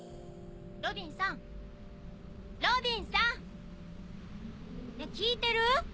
・ロビンさんロビンさん！ねえ聞いてる？